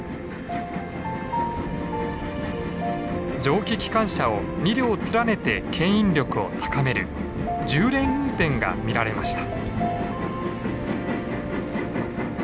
蒸気機関車を２両連ねてけん引力を高める重連運転が見られました。